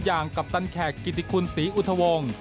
อย่างกัปตันแขกกิติคุณศรีอุทวง